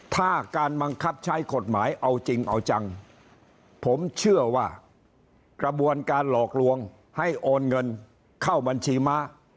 ถ้าการบังคับใช้กฎหมายเอาจริงเอาจังผมเชื่อว่ากระบวนการหลอกลวงให้โอนเงินเข้าบัญชีม้า